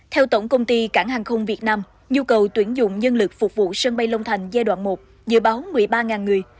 theo tổng công ty cảng hàng không việt nam nhu cầu tuyển dụng nhân lực phục vụ sân bay long thành giai đoạn một dự báo một mươi ba người